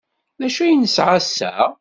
D acu ay nesɛa ass-a?